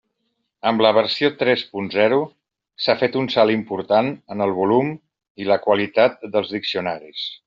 Amb la versió tres punt zero, s'ha fet un salt important en el volum i la qualitat dels diccionaris.